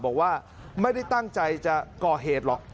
บอกว่าไม่ได้ตั้งใจจะก่อเหตุหรอก